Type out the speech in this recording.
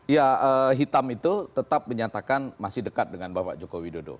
ya hitam itu tetap menyatakan masih dekat dengan bapak joko widodo